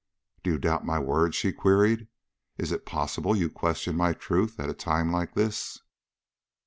"Do you doubt my word?" she queried. "Is it possible you question my truth at a time like this?"